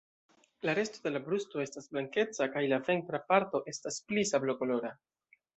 La resto de la brusto estas blankeca kaj la ventra parto estas pli sablokolora.